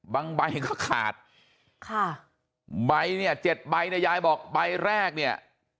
บางใบก็ขาดใบเนี่ย๗ใบยายบอกใบแรกเนี่ย๙๕๓๖๐๙